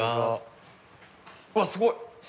うわっすごい！